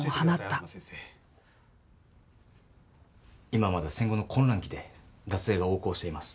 今まだ戦後の混乱期で脱税が横行しています。